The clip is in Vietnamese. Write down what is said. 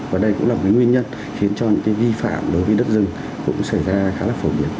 và đây cũng là một nguyên nhân khiến cho những cái vi phạm đối với đất rừng cũng xảy ra khá là phổ biến